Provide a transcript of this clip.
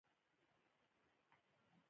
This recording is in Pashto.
افغانستان د وحشي حیواناتو لپاره مشهور دی.